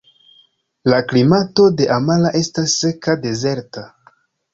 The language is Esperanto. La klimato de Amara estas seka dezerta.